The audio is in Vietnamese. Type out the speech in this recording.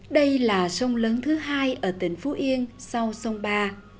đây là sông lớn thứ hai ở tỉnh phú yên sau sông ba